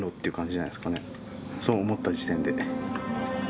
そう思った時点で。